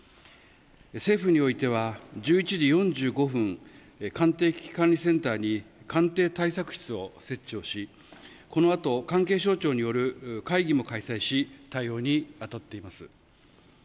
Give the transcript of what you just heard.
政府においては１１時４５分、官邸危機管理センターに官邸対策室を設置し、この後、関係省庁による会議も開催し、対応に当たっています。